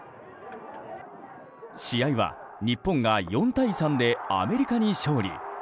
試合は日本が４対３でアメリカに勝利。